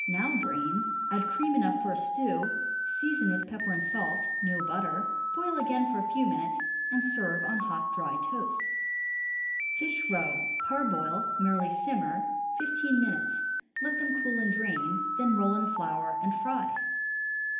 Now drain, add cream enough for a stew, season with pepper and salt (no butter), boil again for a few minutes, and serve on hot, dry toast. (Up De Graff.) Fish Roe. — Parboil (merely simmer) fifteen minutes; let them cool and drain; then roll in flour, and fry.